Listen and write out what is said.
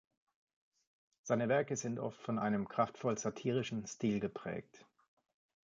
Seine Werke sind oft von einem kraftvoll-satirischen Stil geprägt.